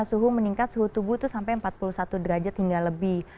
suhu meningkat suhu tubuh itu sampai empat puluh satu derajat hingga lebih